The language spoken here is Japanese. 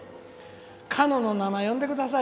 かのの名前を呼んでください」。